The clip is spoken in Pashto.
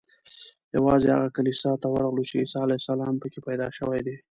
یوازې هغه کلیسا ته ورغلو چې عیسی علیه السلام په کې پیدا شوی دی.